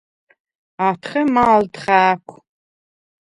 ათხე მა̄ლდ ხა̄̈ქუ̂: